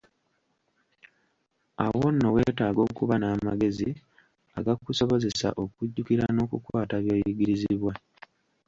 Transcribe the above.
Awo nno weetaaga okuba n'amagezi agakusobozesa okujjukira n'okukwata by'oyigirizibwa.